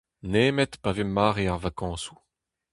Nemet pa vez mare ar vakañsoù.